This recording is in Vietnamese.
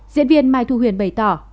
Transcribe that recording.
diễn viên mai thu huyền bày tỏ